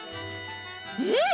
うん！